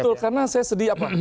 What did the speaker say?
betul karena saya sedih apa